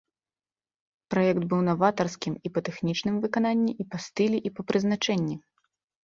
Праект быў наватарскім і па тэхнічным выкананні, і па стылі, і па прызначэнні.